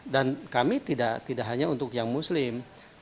dan kami tidak hanya untuk yang muslim